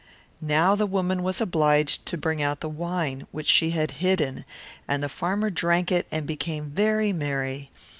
So the woman was obliged to bring out the wine also, which she had hidden, and the farmer drank it till he became quite merry.